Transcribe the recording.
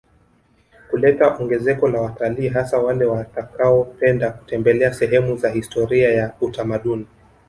Kuleta ongezeko la wataliii hasa wale watakaopenda kutembelea sehemu za historia ya utamaduni